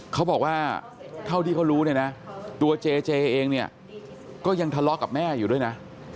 เขาบอกว่าเท่าที่เขารู้เนี่ยนะตัวเจเจเองเนี่ยก็ยังทะเลาะกับแม่อยู่ด้วยนะ